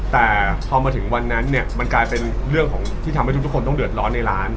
แต่พอมาถึงวันนั้นเนี่ยมันกลายเป็นเรื่องของที่ทำให้ทุกคนต้องเดือดร้อนในร้าน